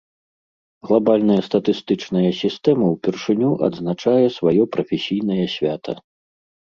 Глабальная статыстычная сістэма ўпершыню адзначае сваё прафесійнае свята.